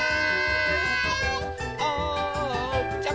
おうちゃん！